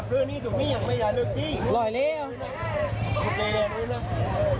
เรียบร้อยรูเรียบร้อยอยู่แล้ว